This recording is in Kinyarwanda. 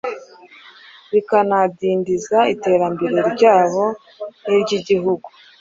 bikanadindiza iterambere ryabo n’iryigihugu.